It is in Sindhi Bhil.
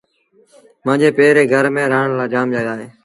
مآݩجي پي ري گھر ميݩ رآهڻ لآ جآم جآڳآ اهي۔